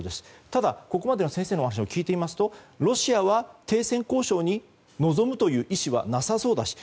ただ、ここまで先生のお話を聞いていますとロシアは停戦交渉に臨むという意思はなさそうだと。